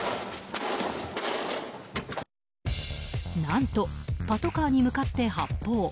何と、パトカーに向かって発砲。